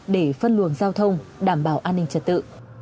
để phân luồng giao thông đảm bảo an ninh trật tự